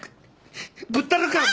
ぶったろか！